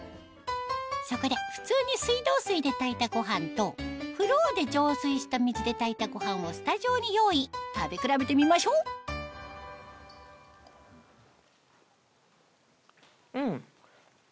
そこで普通に水道水で炊いたご飯とフローで浄水した水で炊いたご飯をスタジオに用意食べ比べてみましょううん。